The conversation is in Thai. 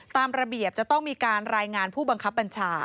ตามระเบียบจะต้องมีการรายงานผู้บังคับบัญชา